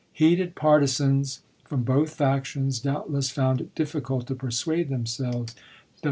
Heated partisans from both factions doubtless found it difficult to persuade themselves that this Vol.